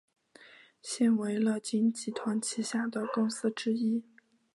现为乐金集团旗下的公司之一。